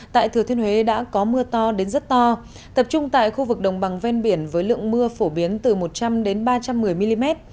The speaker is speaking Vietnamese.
tại thừa thiên huế đã có mưa to đến rất to tập trung tại khu vực đồng bằng ven biển với lượng mưa phổ biến từ một trăm linh ba trăm một mươi mm